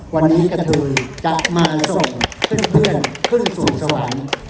วันนี้กระเทยจะมาส่งเพื่อนขึ้นสู่สวรรค์